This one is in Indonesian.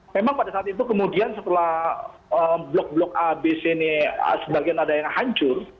memang pada saat itu kemudian setelah blok blok abc ini sebagian ada yang hancur